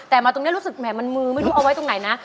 แต่มาตรงนี้รู้สึกแหมมันมือไม่รู้เอาไว้ตรงไหนนะ